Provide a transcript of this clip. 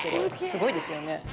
すごいですよね